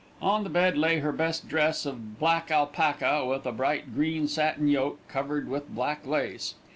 On the bed lay her best dress of black alpaca with a bright green satin yoke covered with black lace.